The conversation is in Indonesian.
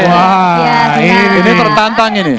wah ini tertantang ini